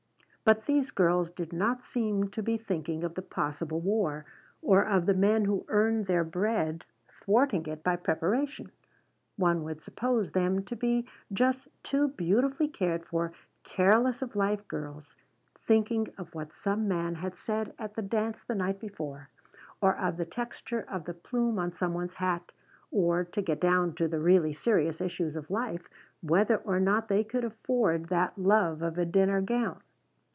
But these girls did not seem to be thinking of the possible war, or of the men who earned their bread thwarting it by preparation. One would suppose them to be just two beautifully cared for, careless of life girls, thinking of what some man had said at the dance the night before, or of the texture of the plume on some one's hat, or, to get down to the really serious issues of life, whether or not they could afford that love of a dinner gown.